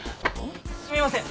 すみません！